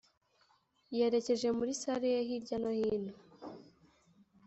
yerekeje muri salle ye hirya no hino;